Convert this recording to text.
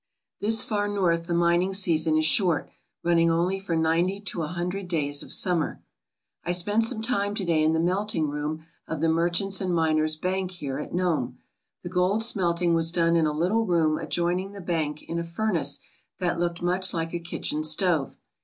" This far north the mining season is short, running only for ninety to a hundred days of summer. I spent some time to day in the melting room of the Merchants' and Miners* Bank here at Nome. The gold smelting was done in a little room adjoining the bank in a furnace that looked much like a kitchen stove.